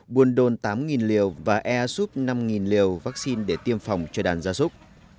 buôn đôn tám liều và air soup năm liều vaccine để tiêm phòng cho đàn gia sốt